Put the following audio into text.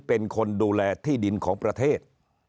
เป็นคนดูแลที่ดินของประเทศ